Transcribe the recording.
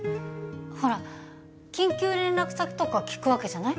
ほら緊急連絡先とか聞くわけじゃない？